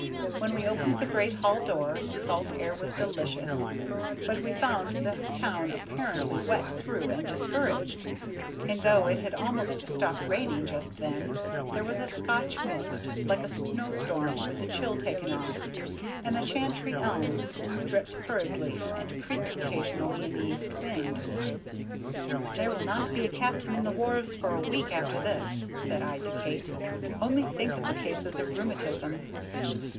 When we opened the great hall door, the salt air was delicious, but we found the town apparently wet through and discouraged; and though it had almost stopped raining just then, there was a Scotch mist, like a snow storm with the chill taken off, and the Chantrey elms dripped hurriedly, and creaked occasionally in the east wind. "There will not be a cap'n on the wharves for a week after this," said I to Kate; "only think of the cases of rheumatism!"